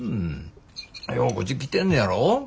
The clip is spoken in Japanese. ようこっち来てんねやろ？